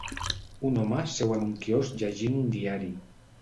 Un home seu en un quiosc llegint un diari